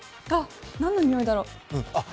あっ、何のにおいだろう？